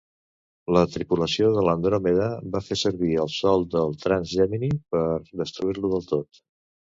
La tripulació de l'"Andromeda" va fer servir el sol de Trance Gemini per destruir-lo del tot.